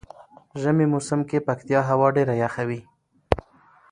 ژمی موسم کې پکتيا هوا ډیره یخه وی.